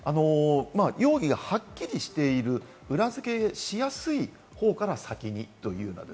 容疑がはっきりしている裏付けしやすい方から先にという。